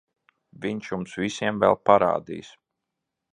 Viņš jums visiem vēl parādīs...